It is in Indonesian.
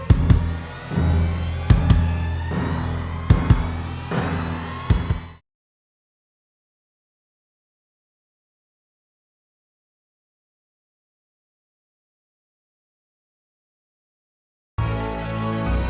ada yang nyari kamu nih